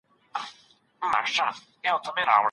که علم پای درلودای نو زده کړه به دریدلې وه.